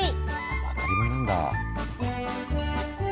当たり前なんだ。